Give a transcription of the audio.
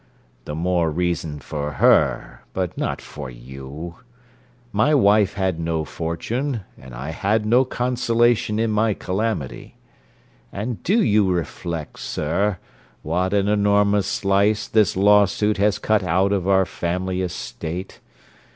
'The more reason for her; but not for you. My wife had no fortune, and I had no consolation in my calamity. And do you reflect, sir, what an enormous slice this lawsuit has cut out of our family estate?